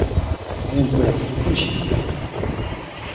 Dayen tura, kullec yefḍeḥ.